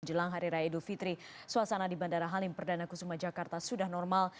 jelang hari raya idul fitri suasana di bandara halim perdana kusuma jakarta sudah normal